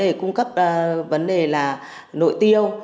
vấn đề cung cấp vấn đề là nội tiêu